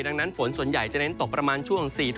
ดังนั้นฝนส่วนใหญ่จะเน้นตกประมาณช่วง๔ทุ่ม